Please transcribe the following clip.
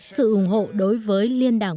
sự ủng hộ đối với liên đảng